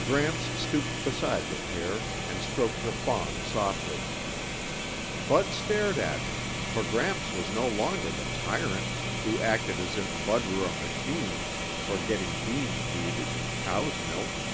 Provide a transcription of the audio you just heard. Gramps stooped beside the pair and stroked the fawn softly. Bud stared at him, for Gramps was no longer the tyrant who acted as if Bud were a machine for getting beans weeded and cows milked.